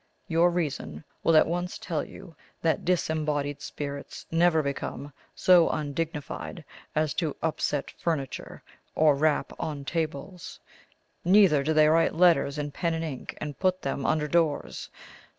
"Your reason will at once tell you that disembodied spirits never become so undignified as to upset furniture or rap on tables. Neither do they write letters in pen and ink and put them under doors.